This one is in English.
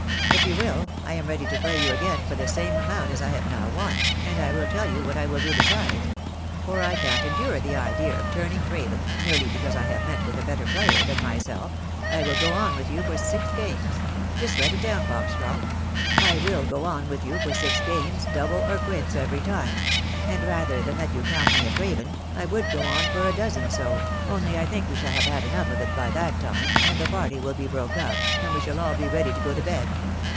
If you wiU, I am ready to play, you again for the same amount as I have now won, and I will tell you what I will do besides — for I can't endure the idea of turning craven, merely because I have met with a better player than myself — I will go on with you for six games — just write it down, Foxoroft — I will go on with you for six games, double or quits every time — and rather than let you count me a craven, I would go on for a dozen so, only I think we shall have had enough of it by that time, and the party will be broke up, and we shall all be ready to go to bed.